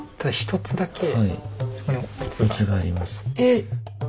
えっ！